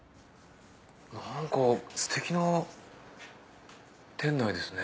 何かステキな店内ですね。